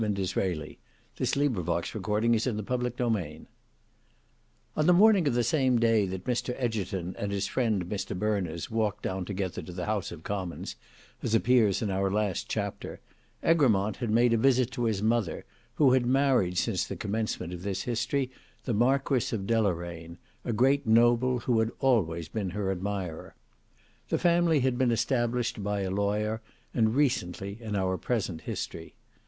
"Not a chance; a regular covey ready on both sides." Book 4 Chapter 2 On the morning of the same day that Mr Egerton and his friend Mr Berners walked down together to the House of Commons, as appears in our last chapter, Egremont had made a visit to his mother, who had married since the commencement of this history the Marquis of Deloraine, a great noble who had always been her admirer. The family had been established by a lawyer, and recently in our history.